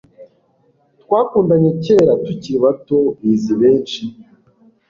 twakundanye kera tukiri bato, bizi benshi